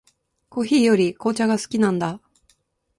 コーヒーより紅茶が好きなんだ。